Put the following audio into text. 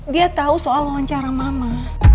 dia tahu soal wawancara mama